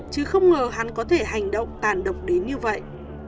chứ không ngờ hắn có thể hành động tàn độc đến như vậy